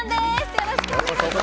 よろしくお願いします！